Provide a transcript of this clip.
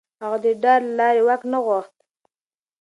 هغه د ډار له لارې واک نه غوښت.